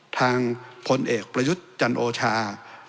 ทางพลเอกประยุจจันโอชา